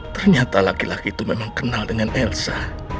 ternyata laki laki itu memang kenal dengan elsa